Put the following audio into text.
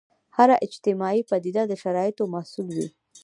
هره اجتماعي پدیده د شرایطو محصول وي.